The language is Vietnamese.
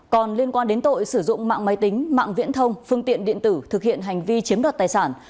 còn liên quan đến tội sử dụng mạng máy tính mạng viễn thông phương tiện điện tử thực hiện hành vi chiếm đoạt tài sản